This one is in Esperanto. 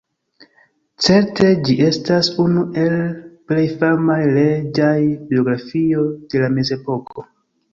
Certe ĝi estas unu el plej famaj reĝaj biografioj de la Mezepoko.